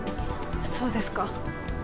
そうですか。